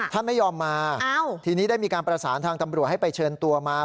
ท่านไม่ยอมมาทีนี้ได้มีการประสานทางตำรวจให้ไปเชิญตัวมา